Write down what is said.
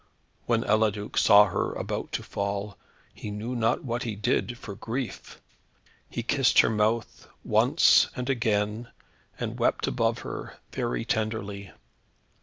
When Eliduc saw her about to fall, he knew not what he did, for grief. He kissed her mouth, once and again, and wept above her, very tenderly.